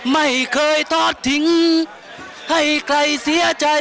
ไม่เคยทอดทิ้งให้ใครเสียใจ